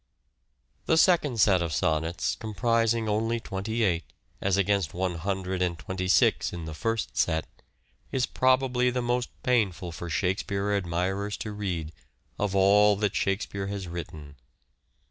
The second set of sonnets, comprising only twenty eight, as against one hundred and twenty six in the first set, is probably the most painful for Shakespeare admirers to read, of all that " Shakespeare " has written.